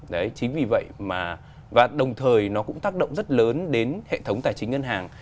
đấy chính vì vậy mà đồng thời nó cũng tác động rất lớn đến hệ thống tài chính ngân hàng